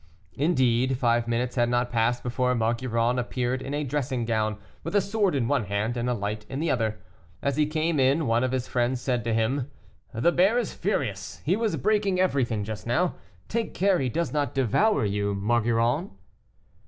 Indeed, five minutes had not passed before Maugiron appeared in a dressing gown, with a sword in one hand and a light in the other. As he came in one of his friends said to him, "The bear is furious, he was breaking everything just now; take care he does not devour you, Maugiron."